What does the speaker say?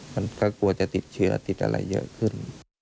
มันก็กลัวจะติดเชื้อติดอะไรเยอะขึ้น